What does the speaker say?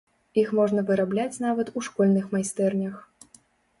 Іх можна вырабляць нават у школьных майстэрнях.